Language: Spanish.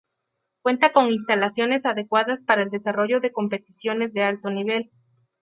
Cuenta con instalaciones adecuadas para el desarrollo de competiciones de alto nivel.